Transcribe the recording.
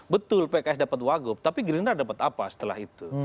betul pks dapat wagub tapi gerindra dapat apa setelah itu